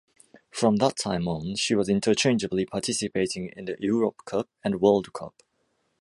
From that time on, she was interchangeably participating in the Europe Cup and World Cup.